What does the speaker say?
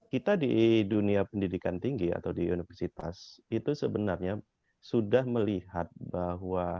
kita di dunia pendidikan tinggi atau di universitas itu sebenarnya sudah melihat bahwa